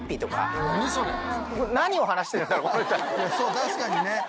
確かにね。